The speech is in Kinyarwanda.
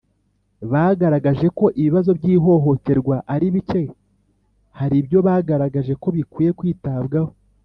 Bagaragaje ko ibibazo by’ihohoterwa ari bike hari ibyo bagaragaje ko bikwiye kwitabwaho